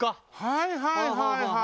はいはいはいはい！